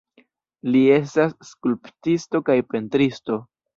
Li estas skulptisto kaj pentristo.